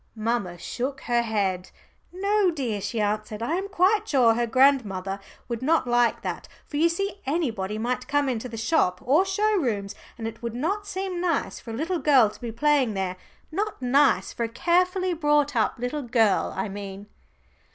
Mamma shook her head. "No, dear," she answered. "I am quite sure her grandmother would not like that. For you see anybody might come into the shop or show rooms, and it would not seem nice for a little girl to be playing there not nice for a carefully brought up little girl, I mean."